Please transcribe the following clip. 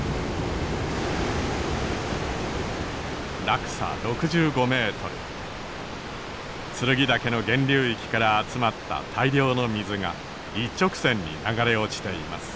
落差６５ｍ剱岳の源流域から集まった大量の水が一直線に流れ落ちています。